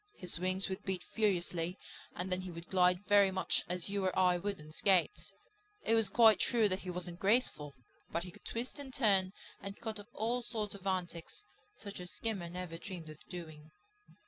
His wings would beat furiously and then he would glide very much as you or I would on skates. It was quite true that he wasn't graceful. But he could twist and turn and cut up all sorts of antics, such as Skimmer never dreamed of doing.